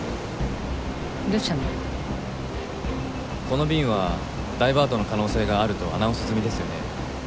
この便はダイバートの可能性があるとアナウンス済みですよね？